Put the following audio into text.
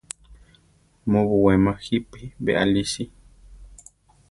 Mu buwéma jípi beʼalí si.